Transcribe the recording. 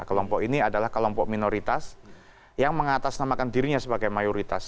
kelompok ini adalah kelompok minoritas yang mengatasnamakan dirinya sebagai mayoritas